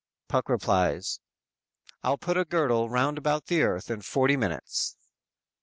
"_ Puck replies: _"I'll put a girdle round about the earth in forty minutes!"